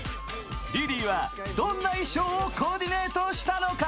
リリーはどんな衣装をコーディネートしたのか。